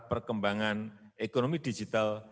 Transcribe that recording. perkembangan ekonomi digital